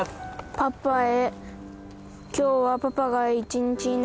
「パパへ」